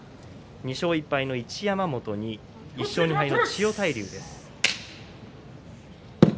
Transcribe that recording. ２勝１敗の一山本と１勝２敗の千代大龍。